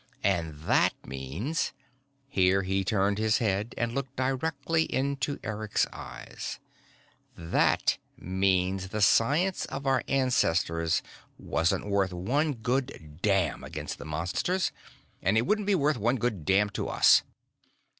And that means " here he turned his head and looked directly into Eric's eyes "that means the science of our ancestors wasn't worth one good damn against the Monsters, and it wouldn't be worth one good damn to us!"